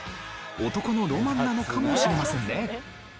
男のロマンなのかもしれませんね。